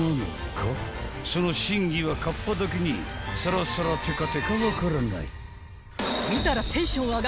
［その真偽は河童だけにサラサラテカテカ分からない］